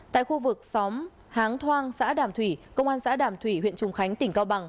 tại khu vực xóm háng thoang xã đàm thủy công an xã đàm thủy huyện trùng khánh tỉnh cao bằng